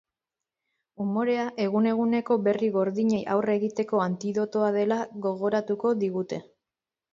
Umorea egun-eguneko berri gordinei aurre egiteko antidotoa dela gogoratuko digute.